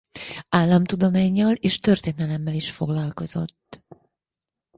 Államtudománnyal és történelemmel is foglalkozott.